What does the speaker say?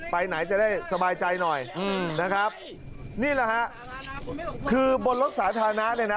ไปไหนจะได้สบายใจหน่อยอืมนะครับนี่แหละฮะคือบนรถสาธารณะเนี่ยนะ